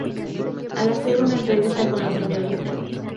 Al hacer una entrevista con la Srta.